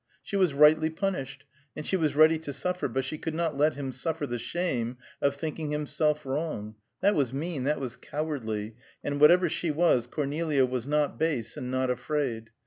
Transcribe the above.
She was rightly punished, and she was ready to suffer, but she could not let him suffer the shame of thinking himself wrong. That was mean, that was cowardly, and whatever she was, Cornelia was not base, and not afraid.